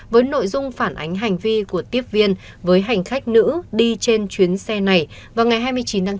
với nội dung phản ánh hành vi của tiếp viên với hành khách nữ đi trên chuyến xe này vào ngày hai mươi chín tháng bốn